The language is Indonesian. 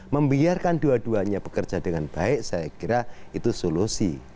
membiarkan dua duanya bekerja dengan baik saya kira itu solusi